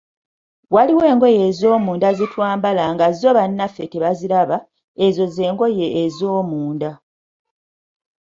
Waliwo engoye ez'omunda ze twambala nga zo bannaffe tebaziraba, ezo z'engoye ez'omunda.